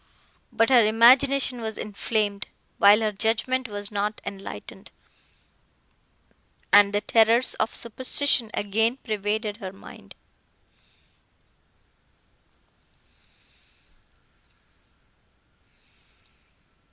But her imagination was inflamed, while her judgment was not enlightened, and the terrors of superstition again pervaded her mind.